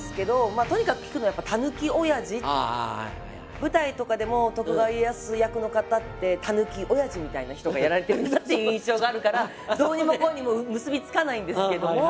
舞台とかでも徳川家康役の方ってタヌキおやじみたいな人がやられてるなっていう印象があるからどうにもこうにも結び付かないんですけども。